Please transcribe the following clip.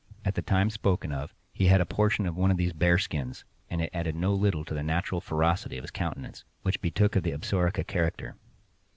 At the time spoken of, he had on a portion of one of these bearskins; and it added no little to the natural ferocity of his countenance, which betook of the Upsaroka character.